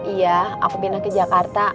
iya aku pindah ke jakarta